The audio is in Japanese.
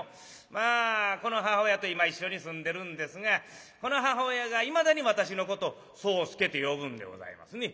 まあこの母親と今一緒に住んでるんですがこの母親がいまだに私のことを宗助と呼ぶんでございますね。